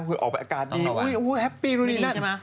คือออกไปอากาศดีอุ้ยแฮปปี้นู่นนั่น